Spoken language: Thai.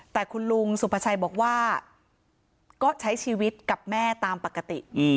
แต่คุณลุงสุภาชัยบอกว่าก็ใช้ชีวิตกับแม่ตามปกติ